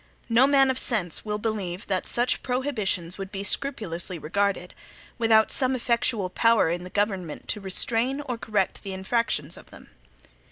No man of sense will believe, that such prohibitions would be scrupulously regarded, without some effectual power in the government to restrain or correct the infractions of them.